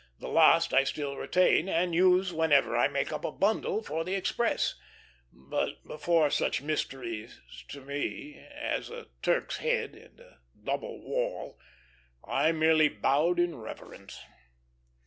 The last I still retain, and use whenever I make up a bundle for the express; but before such mysteries to me as a Turk's head and a double wall, I merely bowed in reverence.